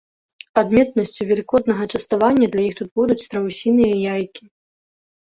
Адметнасцю велікоднага частавання для іх тут будуць страусіныя яйкі.